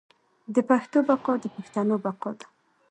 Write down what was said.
د پښتو بقا د پښتنو بقا ده.